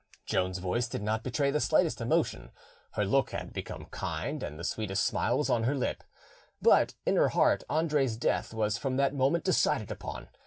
Joan's voice did not betray the slightest emotion; her look had became kind, and the sweetest smile was on her lips. But in her heart Andre's death was from that moment decided upon.